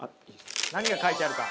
何が書いてあるか。